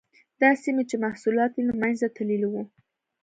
دا سیمې چې محصولات یې له منځه تللي وو.